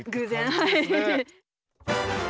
はい。